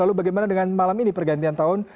lalu bagaimana dengan malam ini pergantian tahun